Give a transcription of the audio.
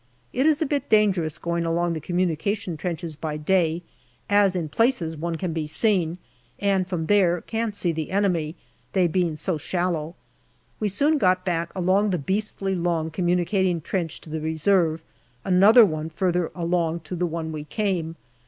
It is a bit dangerous going along the communication trenches by day, as in places one can be seen, and from there can see the enemy, they being so shallow. We soon got back along the beastly long communicating trench to the Reserve, another one farther along to the one we came.